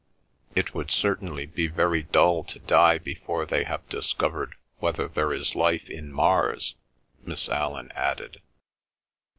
"It would certainly be very dull to die before they have discovered whether there is life in Mars," Miss Allan added.